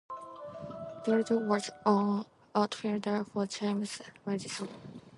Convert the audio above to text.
Bladel was an outfielder for James Madison.